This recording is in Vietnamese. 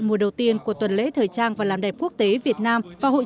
mùa đầu tiên của tuần lễ thời trang và làm đẹp quốc tế việt nam